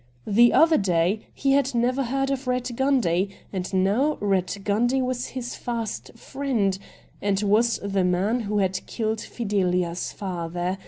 The other day he had never heard of Eatt Gundy, and now Eatt Gundy was his fast friend — and was the man who had killed Fidelia's father.